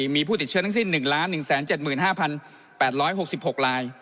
มีผู้ติดเชื้อทั้งสิ้น๑๑๗๕๘๖๖ลาย